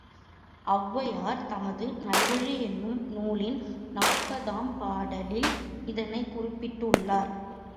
ஒளவையார் தமது நல்வழி என்னும் நூலின் நாற்பதாம் பாடலில் இதனைக் குறிப்பிட்டுள்ளார்.